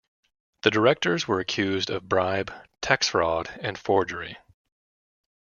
The directors were accused of bribe, tax fraud and forgery.